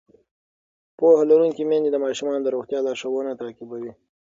پوهه لرونکې میندې د ماشومانو د روغتیا لارښوونې تعقیبوي.